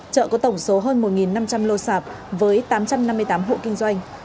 chợ có tổng số hơn một năm trăm linh lô sạp với tám trăm năm mươi tám hộ kinh doanh